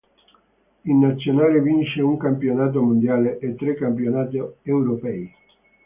In nazionale vince un campionato mondiale e tre campionati europei.